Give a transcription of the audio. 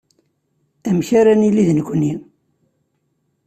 Amek ara nili d nekkni.